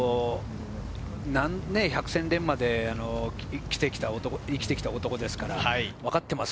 百戦錬磨で生きてきた男ですから分かってます。